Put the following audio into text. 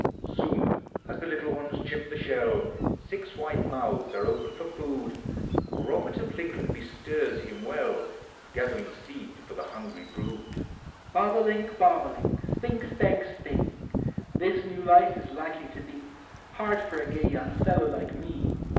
Soon as the little ones chip the shell Six wide niouihs are open for Pood : Robert of Lincoln bestirs him well, Gathering seed for the hungrj in I. Bob oMink, bob o' link. Spink, spank, spink; 312 POEMS OF NATURE. This new life is likely to be Hard for a gay young fellow like me.